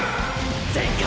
全開！！